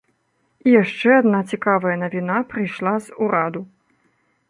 І яшчэ адна цікавая навіна прыйшла з ураду.